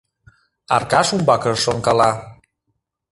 Аркаш умбакыже шонкала.